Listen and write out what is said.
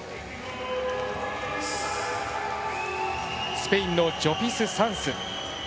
スペインのジョピスサンス。